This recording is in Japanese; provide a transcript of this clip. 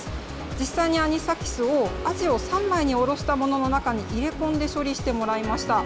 実際にアニサキスをアジを三枚におろしたものの中に入れ込んで処理してもらいました。